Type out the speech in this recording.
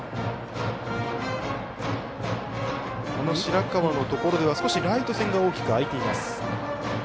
この白川のところではライト線が大きく空いています。